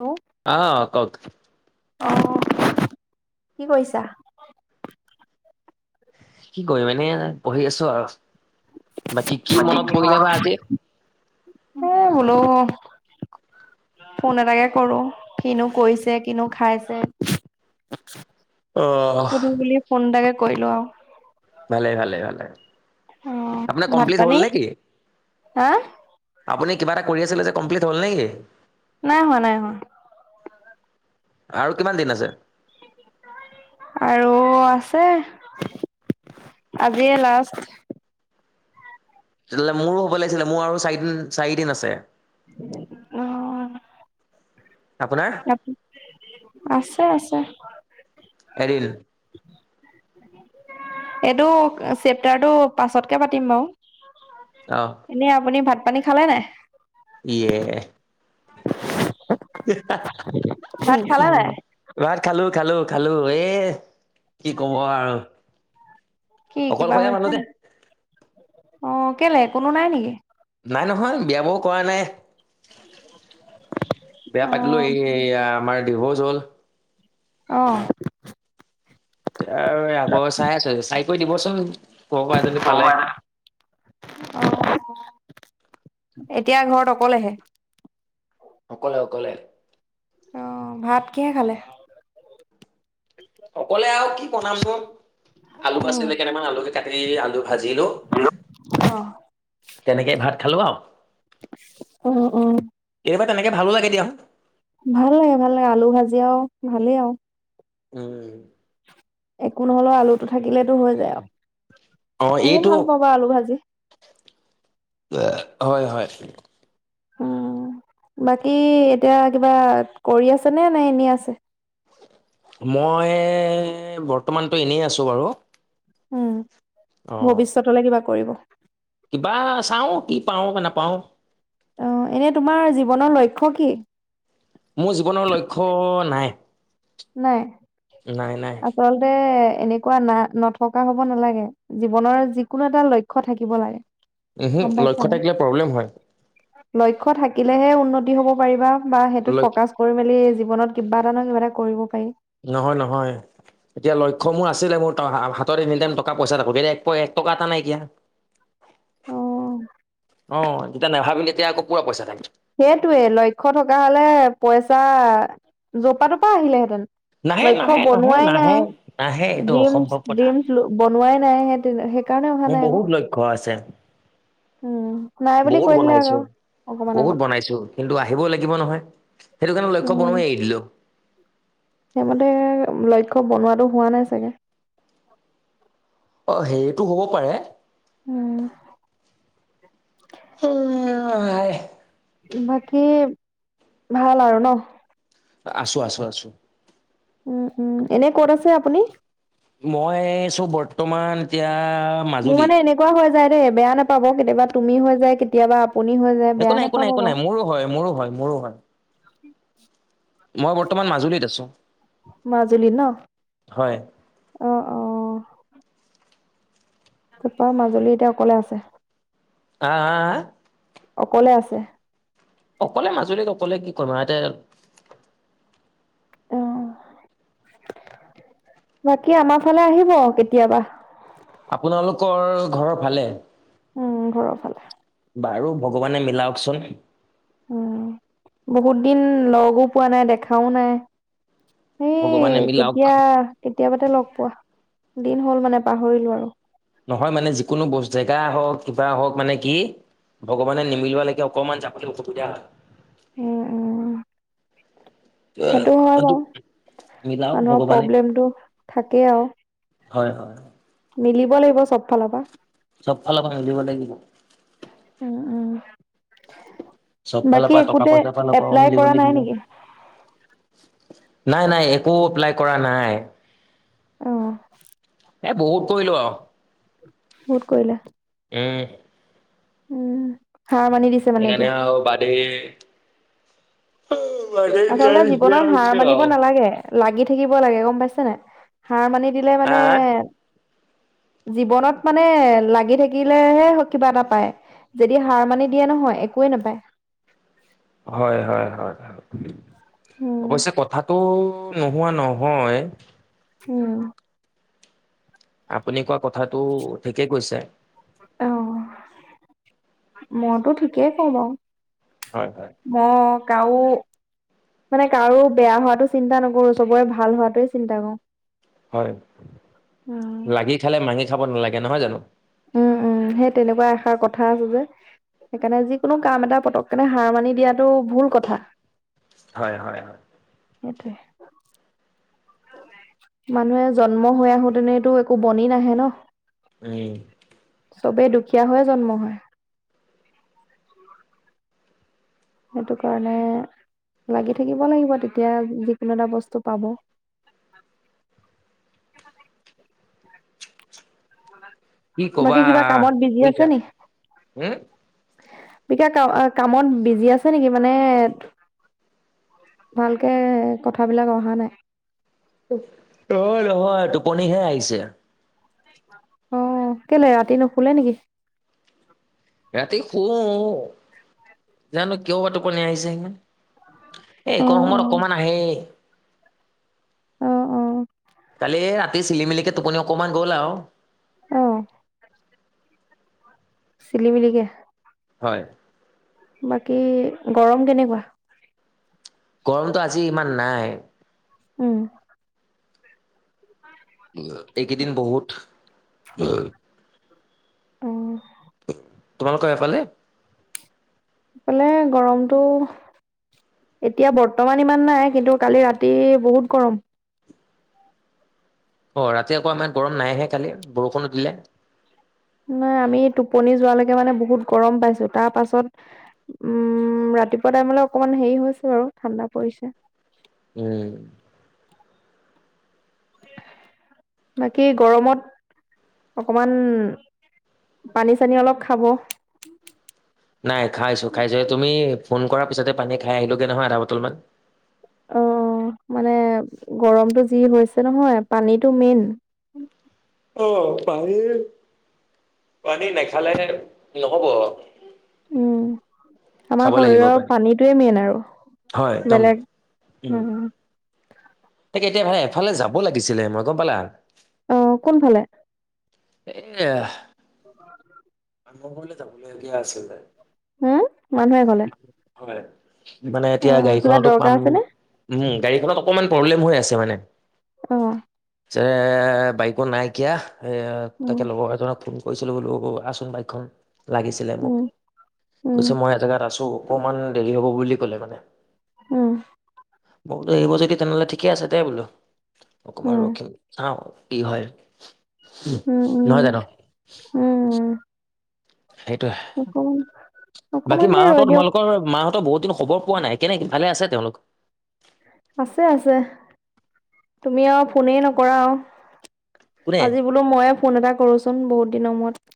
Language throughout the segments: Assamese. হেল্ল' আহ কওঁক। অ' কি কৰিছা? কি কৰিম, এনেই পঢ়ি আছোঁ আৰু বাকী কি মনত পৰিলে বা আজি? এই বোলোঁ ফোন এটাকে কৰোঁ, কিনো কৰিছে, কিনো খাইছে? অ সুধো বুলি ফোন এটাকে কৰিলোঁ আৰু ভালে ভালে ভালে। আপোনাৰ অ ভাত কমপ্লিট হ'ল পানী নেকি? হা আপুনি কিবা এটা কৰি আছিলে যে কমপ্লিট হ'ল নেকি? নাই হোৱা, নাই হোৱা। আৰু কিমান দিন আছে? আৰু আছে, আজিয়ে লাষ্ট। তেতিয়াহ'লে মোৰো হ'ব লাগিছিলে। মোৰ আৰু চাৰিদিন, চাৰিদিন আছে। অহ' আপোনাৰ? [unintelligible] আছে আছে। এৰিল। এইটো, চেপ্টাৰটো পাছতকে পাতিম বাৰু। অহ। এনেই আপুনি ভাত-পানী খালে নাই? ইয়েহ! ভাত খালে নাই [unintelligible] ভাত খালো, খালো, খালো। এ কি ক'ব অ আৰু। কি কিবা অকলশৰীয়া হৈছে মানুহ যে নেকি? অ' কেলে কোনো নাই নেকি? নাই নহয় বিয়া বাৰু কৰা নাই। বিয়া অ পাতিলো। এইয়া আমাৰ ডিভৰ্চ হ'ল। অঁ এতিয়া আৰু এ আকৌ চাই আছো চাই কৈ দিবচোন। ক'ৰ পৰা যদি পালে। তোমাৰ ইয়াতে। অঁ এতিয়া ঘৰত অকলেহে। অকলে, অকলে। অ ভাত কিহে খালে? অকলে আৰু কি বনাম নো আলু উম আছিলে কেইটামান আলুকে কাটি আলু ভাজিলো। অ তেনেকেই ভাত খালো আৰু। উম, উম। কেতিয়াবা তেনেকে ভালো লাগে দিয়াচোন। ভাল লাগে, ভাল লাগে, আলু ভাজি আৰু ভালেই আৰু। উম, একো নহলেও আলুটো থাকিলে হৈ যায় আৰু অ মইও এইটো ভাল পাওঁ বাৰু আলু ভাজি। হয়, হয়। উ বাকী এতিয়া কিবা কৰি আছে নে নে এনে আছে। মই এই বৰ্তমানটো এনেই আছোঁ বাৰু। অ উম ভৱিষ্যতলে কিবা কৰিব। কিবা চাওঁ কি পাওঁ নাপাওঁ। অ এনে তোমাৰ জীৱনৰ লক্ষ্য কি? মোৰ জীৱনৰ লক্ষ্য নাই। নাই, নাই, নাই। আচলতে এনেকুৱা না নথকা হ'ব নালাগে। জীৱনৰ যিকোনো এটা লক্ষ্য থাকিব লাগে। সেই গম পাইছা লক্ষ্য নাই থাকিলে প্ৰব্লেম হয়। লক্ষ্য থাকিলেহে উন্নতি হ'ব পাৰিবা বা সেইটোত লক্ষ ফকাচ কৰি মেলি জীৱনত কিবা এটা নহয় কিবা এটা কৰিব পাৰি। নহয়, নহয়। এতিয়া লক্ষ্য মোৰ আছিলে মোৰ হাতত এনি টাইম টকা পইচা থাকে এক টকা এটা নাইকিয়া। [inaudible] অ', অ যেতিয়া নাভাবিলে এতিয়া আকৌ পুৰা পইচা থাকে। সেইটোৱে লক্ষ্য থকা হলে পইচা যপা তপা আহিলেহেঁতেন। নাহে লক্ষ্য নাহে নাহে বনোৱাই নাহে নাই নাহে এইটো ড্ৰিম অসম্ভৱ কথা ড্ৰিমচ বনোৱাই নাই সেইটোৱেটো সেই সেইকাৰণে অহা মোৰ নাই আকৌ বহুত লক্ষ্য আছে। উম নাই বুলি বহুত কৈ দিলে বনাইছো আকৌ। অকমান বহুত আগত বনাইছো কিন্তু আহিবও লাগিব নহয় সেইটো কাৰণে লক্ষ্য উম, বনোবাও এৰি দিলো। সেইমতে লক্ষ্য বনোৱাটো হোৱা নাই চাগে। অ সেইটো হ'ব পাৰে। উম, হম, বাকী ভাল আৰু ন? আছোঁ আছোঁ আছোঁ, উম উম, এনে ক'ত আছে আপুনি? মই আছোঁ বৰ্তমান এতিয়া মোৰ মাজুলী মানে এনেকুৱা হৈ যায় দেই বেয়া নাপাব কেতিয়াবা তুমি হৈ যায় কেতিয়াবা আপুনি হৈ যায়। একো বেয়া নাই একো নাই একো নাই মোৰো হয় মোৰো হয় মোৰো হয়। মই বৰ্তমান মাজুলীত আছো উম, মাজুলী ন? হয় অ, অ, তপা মাজুলী এতিয়া অকলে আছে। হা হা হা অকলে আছে অকলে মাজুলীক অকলে কি কম ইয়াতে অ বাকী আমাৰ ফালে আহিব কেতিয়াবা আপোনালোকৰ ঘৰৰ ভালে উম ঘৰৰ ফালে বাৰু ভগৱানে মিলাওক চোন উ বহুত দিন লগো পোৱা নাই দেখাও নাই ভগৱানে সেই মিলাওক কেতিয়া কেতিয়াবাতে লগ পোৱা দিন হ'ল মানে পাহৰিলো আৰু নহয় মানে যিকোনো বস্তু জেগা হওক কিবা হওক মানে কি ভগৱানে নিমিলোৱা লৈকে অকণমান যাব অসুবিধা ওম ওম বাৰু মিলাও মানুহৰ ভগৱানে প্ৰব্লেমটো থাকেই আৰু হয় হয় মিলিব লাগিব চব ফালৰ পৰা চব ফালৰ পৰা মিলিব লাগিব উ চব ফালৰ বাকী পৰা টকা একোতে পইচা ফালৰ পৰাও এপ্লাই মিলিব কৰা নাই লাগিব নেকি নাই নাই একো এপ্লাই কৰা নাই অ এ বহুত কৰিলো আৰু বহুত কৰিলা ওম উম হাৰ মানি দিছা সেইকাৰণে আৰু বাদে আচলতে নিচিনা জীৱনত হাৰ হৈছে মানিব আৰু নালাগে লাগি থাকিব লাগে গম পাইছে নাই সাৰ মানি দিলে হা মানে হা জীৱনত মানে লাগি থাকিলেহে কিবা এটা পায় যদি সাৰ মানি দিয়া নহয় একোৱে নাপায় হয় হয় হয় হয় উম, অৱশ্যে কথাটো নোহোৱা নহয় উম আপুনি কোৱা কথাটো ঠিকে কৈছে। অ' মইতো ঠিকেই কওঁ বাৰু। হয় হয়। অ' কাও কাৰো বেয়া হোৱাতো চিন্তা নকৰো, চবৰে ভাল হোৱাটোৱে চিন্তা কৰো। হয়, উম, লাগি খালে মাগি খাব নালাগে নহয় জানো। উম, সেই তেনেকুৱাই এষাৰ কথা আছে যে। সেইকাৰণে যিকোনো কাম এটা পতককেনে হাৰ মানি দিয়াটো ভুল কথা। হয় হয় হয়। সেইটোৱে। মানুহে জন্ম হৈ আহোতে নো এইটো একো বনি নাহে ন'। উম চবেই দুখীয়া হৈয়ে জন্ম হয়। সেইটো কাৰণে লাগি থাকিব লাগিব, তেতিয়া যিকোনো এটা বস্তু পাব। কি বাকী কবা কিবা কামত বিজি আছে বুজিছা নি? উম [unintelligible] কামত বিজি আছে নেকি মানে? ভালকে কথাবিলাক অহা নাই। নহয় নহয় টোপনিহে আহিছে। অ' কেলে ৰাতি নুশুলে নেকি? ৰাতি শুও জানো কিয় বা টোপনি আহিছে সিমান। এ অ এইকন অ সময়ত অকমান আহেই। অ' অ' কালি এ ৰাতি চিলি মিলিকে টোপনি অকণমান গ'ল আউ। অহ চিলি মিলিকে? [inaudible] বাকী গৰম কেনেকুৱা? গৰমটো আজি ইমান নাই। উম এইকেইদিন বহুত [unintelligible] [unintelligible] তোমালোকৰ সেইফালে? এ গৰমটোহ এতিয়া বৰ্তমান ইমান নাই, কিন্তু কালি ৰাতি বহুত গৰম। ৰাতি আকৌ আমাৰ ইয়াত গৰম নাইহে কালি বৰষুণো দিলে। নাই আমি টোপনি যোৱালৈকে মানে বহুত গৰম পাইছো তাৰ পাছত উম ৰাতিপুৱা টাইমলে অকণমান হেৰি হৈছে বাৰু ঠাণ্ডা পৰিছে। উম বাকী গৰমত অকনমান পানী চানী অলপ খাব। খাইছো খাইছো। তুমি ফোন কৰাৰ পিছতে পানী খাই আহিলোগে নহয় আধা বটল মান। অহ মানে গৰমটো যি হৈছে নহয়, পানীটো মেইন। অ' পানী, পানী নাখালেহে নহ'ব। উম। আমাৰ খাব লাগিব শৰীৰৰ পানী পানীটোৱে মেইন আৰু হয় একদম বেলেগ উম। তাকে এতিয়ালে এফালে যাব লাগিছিলে মই গম পালা। অঁ কোনফালে? এয়া [inaudible] মানু্হ এঘৰলে যাব লগীয়া আছিলে। হুম, মানুহ এঘৰলে। হয়, মানে এতিয়া কিবা গাড়ীখনতো দৰকাৰ পাম। আছেনে উম, গাড়ীখনত অকমান প্ৰব্লেম হৈ আছে মানে। অঁ। যে বাইকো নাইকিয়া, এ তাকে উম লগৰ এজনক ফোন কৰিছিলো বোলো আ চুন বাইকখন, লাগিছিলে মোক উম কৈছে উম মই এজেগাত আছো। অকমান দেৰি হ'ব বুলি ক'লে মানে। উম। মই বোলো আহিব যদি তেনেহ'লে ঠিকে আছে দেই বোলো অকমান উম ৰখিম চাওঁ। কি হয় উম, উম, নহয় জানো। উম, অকমান সেইটোৱে, বাকী অকমান দেৰি ৰৈ মাহঁতৰ দিয়ক তোমালোকৰ মাহঁতৰ বহুত দিন খবৰ পোৱা নাই কেনেকি ভালে আছে তেওঁলোক? আছে আছে, তুমি আও ফোনে নকৰা আও। কোনে আজি বোলো মইয়ে ফোন এটা কৰোচোন বহুত দিনৰ মূৰত।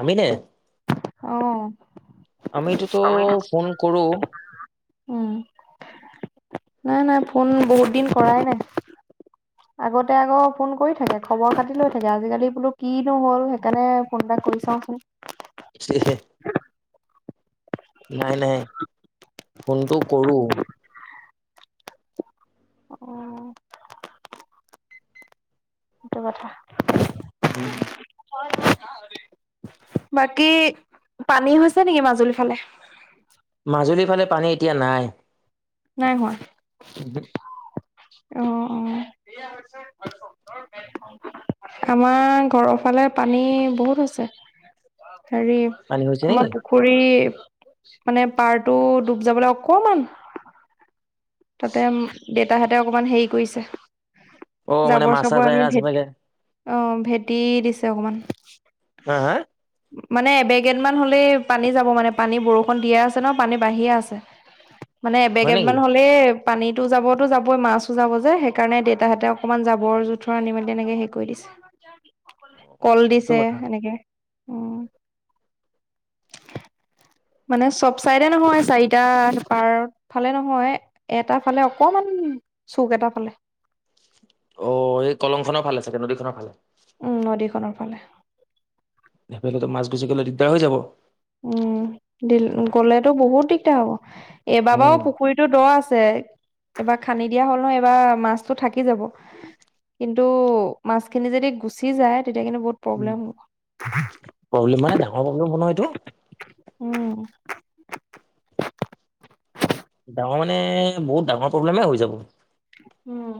আমি নে? অঁ। আমিটোতো ফোন কৰোঁ। উম, নাই নাই ফোন বহুত দিন কৰাই নাই। আগতে আকৌ ফোন কৰি থাকে, খবৰ খাতি লৈ থাকে আজিকালি বোলো কিনো হ'ল সেইকাৰণে ফোন এটা কৰি চাওঁচোন। [inaudible] নাই নাই ফোনটো কৰো। অঁ, সেইটো কথা। উম‌। বাকী পানী হৈছে নেকি মাজুলী ফালে? মাজুলীৰ ফালে পানী এতিয়া নাই। নাই হোৱা। উমহু। অঁ অঁ। আমাৰ ঘৰৰ ফালে পানী বহুত হৈছে। হেৰি পানী হৈছে নেকি আমাৰ পুখুৰী মানে পাৰটো ডুব যাবলৈ অকমান তাতে দেউতাহঁতে অকমান হেৰি কৰিছে। অ মানে জাবৰ মাছা চাবৰ চাই আমি আছে চাগে ভেটি অ ভেটি দিছে অকমান। হা হা? মানে এবেগেদ মান হলেই পানী যাব মানে পানী বৰষুণ দিয়ে আছে ন পানী বাঢ়িয়ে আছে। মানে হয় এবেগেদ নেকি মান হ' লে পানীতো যাবতো যাবই মাছো যাব যে, সেইকাৰণে দেউেতাহঁতে অকনমান যাবৰ জো উঠৰ আনি মেলি এনেকে হে কৰি দিছে, কল সেইটো দিছে, কথা এনেকে। উম। মানে চব চাইডে নহয়, চাৰিটা পাৰৰ ফালে নহয়। এটা ফালে অকমান চুক এটা ফালে। অ', এই কলং খনৰ ফালে চাগে, নদীখনৰ ফালে। উম, নদীখনৰ ফালে। সেইফালেতো মাছ গুচি গ'লে দিগদাৰ হৈ যাব। উম, দিল-গলেতো বহুত দিগদাৰ হ'ব। এইবাৰ উম বাও পুখুৰীটো দ আছে। এইবাৰ খান্দি দিয়া হ'ল নহয়, এইবাৰ মাছটো থাকি যাব। কিন্তু, মাছখিনি যদি গুচি যায় তেতিয়া কিন্তু বহুত উম, প্ৰব্লেম হ'ব। প্ৰব্লেম মানে, ডাঙৰ প্ৰব্লেম হ'ব নহয় এইটো। উম। ডাঙৰ মানে, বহুত ডাঙৰ প্ৰব্লেমে হৈ যাব। উম।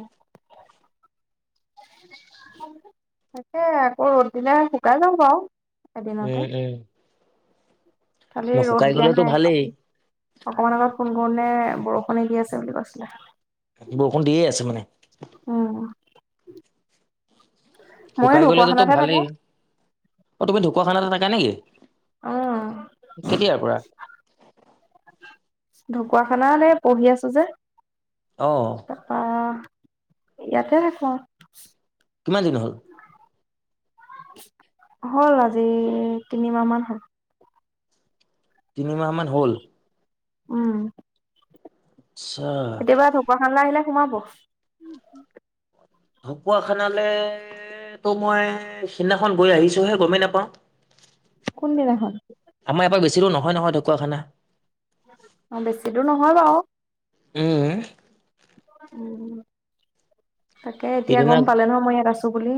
তাকে আকৌ ৰ'দ দিলে শুকাই যাব বাৰু। এদিনতে। উম-উম। খালি ৰ'দ দিয়া গ'লেতো ভালেই নাই। অকমান আগত ফোন কৰোতেনে বৰষুণে দি আছে বুলি কৈছিলে। বৰষুণ দিয়ে আছে মানে? উম। ময়ো শুকাই গ'লেতোতো ঢকুৱাখানাতহে থাকো। ভালেই। অ', তুমি ঢকুৱাখানাতে থাকা নেকি? উম, কেতিয়াৰ পৰা? ঢকুৱাখানাত এ পঢ়ি আছো যে। অ'। তাৰপা, ইয়াতে থাকোঁ আৰু। কিমান দিন হ'ল? হ'ল আজি, তিনিমাহ মান হ'ল। তিনিমাহ মান হ'ল? উম। আচ্ছা। কুৱাখানালে আহিলে সোমাব। ঢকুৱাখানালে তে তো মই সিদিনাখন গৈ আহিছোঁ‌ হে, গমেই নাপাওঁ। কোনদিনাখন? আমাৰ ইয়া পা বেছি দূৰ নহয় নহয় ঢকুৱাখানা। অ', বেছি দূৰ নহয় বাৰু। উম। উম, তাকে এতিয়া সিদিনা গম পালে নহয় মই ইয়াত আছোঁ‌ বুলি?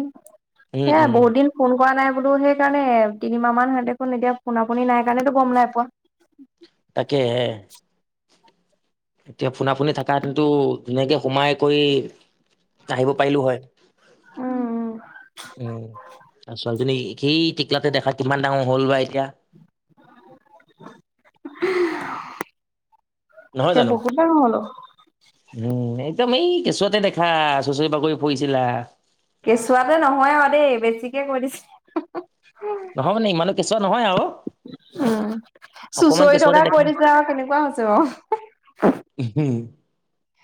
উম সেয়া উম বহুত দিন ফোন কৰা নাই বোলো, সেইকাৰণে তিনিমাহ মান সিহঁত দেখোন এতিয়া ফোনা-ফোনি নাই কাৰণেতো গম নাই পোৱা। তাকে হে। এতিয়া ফোনা-ফোনি থাকা হেতেনটো ধুনীয়াকে সোমাই কৰি আহিব পাৰিলোঁ‌ হয়, উম, উম, আৰু ছোৱালীজনী কি টিকিলাতে দেখা, কিমান ডাঙৰ হ'ল বা এতিয়া? নহয় এতিয়া জানো? বহুত। কো হলো। উম একদম এই কেঁচুৱতে দেখা চুচৰি বাগৰি ফুৰিছিলা। কেঁচুৱাতে নহয় আৰু দেই বেছিকে কৈ দিছে। নহয় মানে ইমান কেঁচুৱা নহয় আৰু। উম অকমান চুচৰি কেঁচুৱাতে থকাই দেখা। কৈ দিছে আৰু কেনেকুৱা হৈছে বা হুম